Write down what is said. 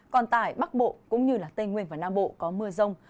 còn tại bắc bộ cũng như tây nguyên và nam bộ có mưa rông